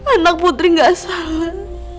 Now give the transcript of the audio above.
anak putri gak salah